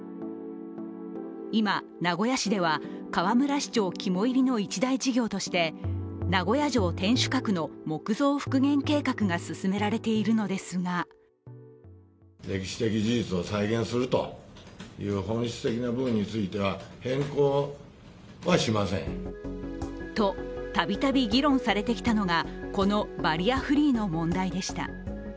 今、名古屋市では河村市長肝煎りの一大事業として名古屋城天守閣の木造復元計画が進められているのですがと、度々議論されてきたのがこのバリアフリーの問題でした。